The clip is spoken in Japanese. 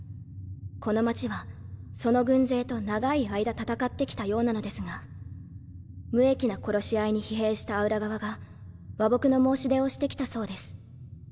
この街はその軍勢と長い間戦ってきたようなのですが無益な殺し合いに疲弊したアウラ側が和睦の申し出をしてきたそうです。